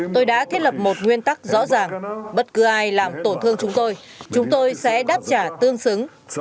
tôi đã thiết lập một nguyên tắc rõ ràng bất cứ ai làm tổn thương chúng tôi chúng tôi sẽ đáp trả tương xứng